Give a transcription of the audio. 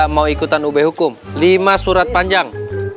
mau ikutan ub hukum lima surat panjang